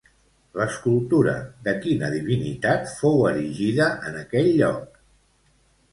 L'escultura de quina divinitat fou erigida en aquell lloc?